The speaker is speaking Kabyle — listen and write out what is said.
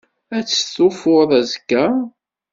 Ad testufuḍ azekka?